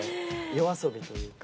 夜遊びというか。